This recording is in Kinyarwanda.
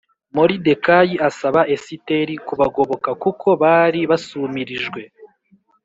Moridekayi asaba Esiteri kubagoboka kuko bari basumirijwe